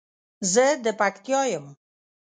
زه د پکتیا یم